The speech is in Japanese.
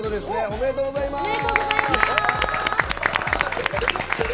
おめでとうございます。